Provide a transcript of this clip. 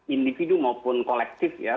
individu maupun kolektif ya